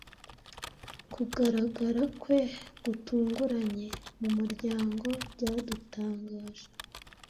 Kugaragara kwe gutunguranye mu muryango byadutangaje.